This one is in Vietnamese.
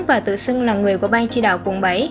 và tự xưng là người của bang tri đạo quận bảy